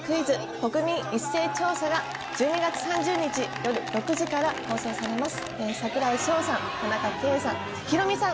国民一斉調査が、１２月３０日夜６時から放送されます。